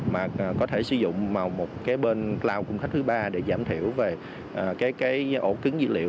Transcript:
mà có thể sử dụng vào một cái bên cloud cùng khách thứ ba để giảm thiểu về cái ổ cứng dữ liệu